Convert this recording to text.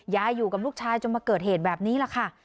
ยายอยู่กับลูกชายจนมาเกิดเหตุแบบนี้แหละค่ะ